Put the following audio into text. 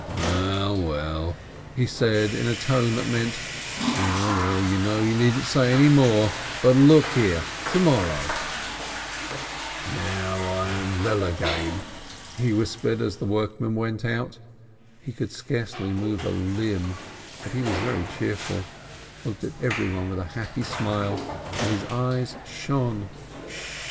"Well, well," he said, in a tone that meant "Well, well, I know, you needn't say any more, but look here, to morrow !" REB SHLOIMEH 351 "Now I am well again," he whispered as the workmen went out. He could scarcely move a limb, but he was very cheerful, looked at every one with a happy smile, and his eyes shone.